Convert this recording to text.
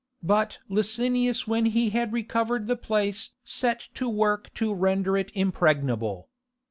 But Licinius when he had recovered the place set to work to render it impregnable.